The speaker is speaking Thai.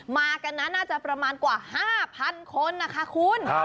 มากันนั้นน่าจะประมาณกว่า๕๐๐คนนะคะคุณ